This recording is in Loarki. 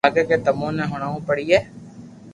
ميني لاگي ڪي تمو ني ھڻاوہ پڙئي